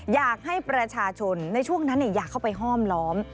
อยากให้ประชาชนในช่วงนั้นอยากเข้าไปห้อมล้อม